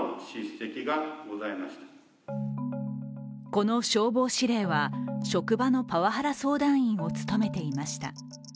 この消防司令は、職場のパワハラ相談員を務めていました。